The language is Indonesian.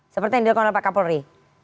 seperti yang dikontrol pak kapolri